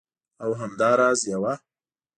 او همدا راز یوه